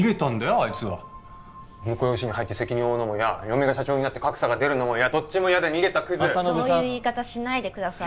あいつは婿養子に入って責任負うのも嫌嫁が社長になって格差が出るのも嫌どっちも嫌で逃げたクズそういう言い方しないでください